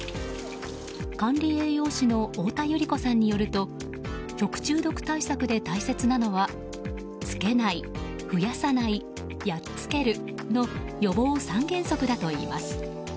管理栄養士の太田百合子さんによると食中毒対策で大切なのはつけない、増やさないやっつけるの予防三原則だといいます。